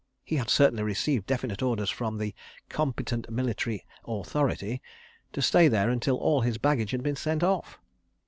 He had certainly received definite orders from the "competent military authority" to stay there until all his baggage had been sent off.